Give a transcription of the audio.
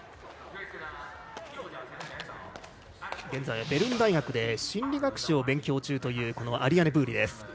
現在はベルン大学で心理学史を勉強中というアリアネ・ブーリ。